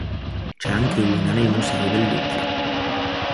C'è anche una nel Museo del Louvre.